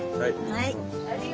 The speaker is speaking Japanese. はい。